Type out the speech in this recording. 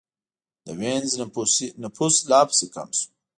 د وینز نفوس لا پسې کم شو